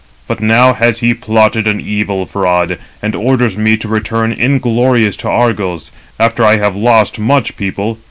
But now has he plotted an evil fraud, and orders me to return inglorious to Argos, after I have lost much people.